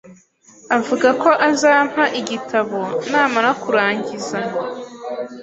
Avuga ko azampa igitabo namara kurangiza.